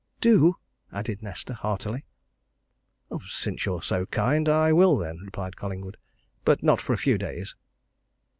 "Do!" added Nesta heartily. "Since you're so kind, I will, then," replied Collingwood. "But not for a few days."